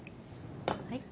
はい。